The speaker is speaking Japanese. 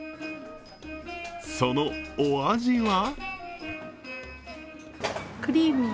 そのお味は？